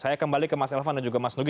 saya kembali ke mas elvan dan juga mas nugi